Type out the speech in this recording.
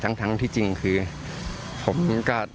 ทั้งที่จริงคือผมก็